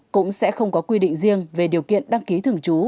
cũng sẽ không có quy định riêng về điều kiện đăng ký thường trú